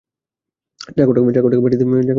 চাকরটাকে পাঠিয়ে দিই, ডেকে আনুক।